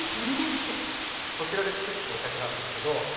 そちらで造ってるお酒なんですけど。